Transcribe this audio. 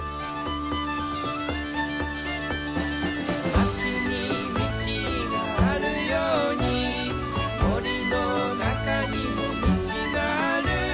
「まちに道があるように」「森の中にも道がある」